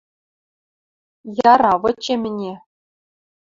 – Яра, вычем ӹне.